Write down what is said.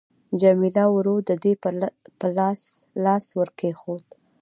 جميله ورو د دې پر لاس لاس ورکښېښود.